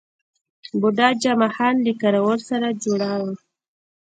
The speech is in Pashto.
بوډا جمعه خان له کراول سره جوړه وه.